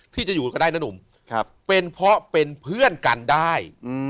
ที่จะอยู่ก็ได้นะหนุ่มเป็นเพราะเป็นเพื่อนกันได้